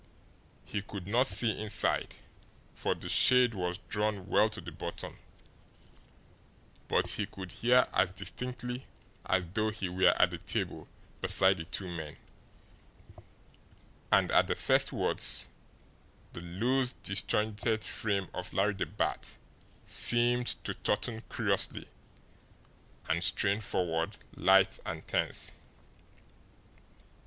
He could not see inside, for the shade was drawn well to the bottom; but he could hear as distinctly as though he were at the table beside the two men and at the first words, the loose, disjointed frame of Larry the Bat seemed to tauten curiously and strain forward lithe and tense.